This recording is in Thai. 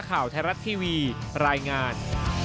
ข่าวไทยรัฐทีวีรายงาน